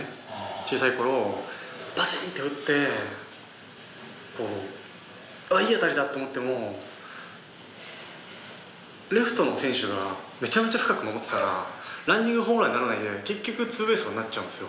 小さい頃バシーンって打っていい当たりだと思ってもレフトの選手がめちゃめちゃ深く守ってたらランニングホームランにならないで結局２ベースとかになっちゃうんですよ